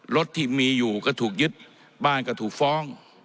รถที่มีอยู่ก็ถูกยึดบ้านก็ถูกฟ้อง